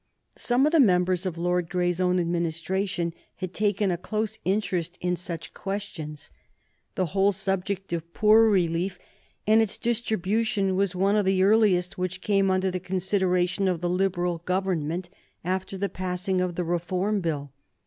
Some of the members of Lord Grey's own Administration had taken a close interest in such questions. The whole subject of poor relief and its distribution was one of the earliest which came under the consideration of the Liberal Government after the passing of the Reform Bill.